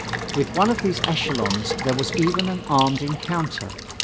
With one of these echelons there was even an armed encounter.